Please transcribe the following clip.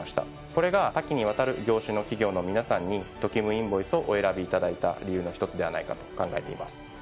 これが多岐にわたる業種の企業の皆さんに「ＴＯＫＩＵＭインボイス」をお選びいただいた理由の一つではないかと考えています。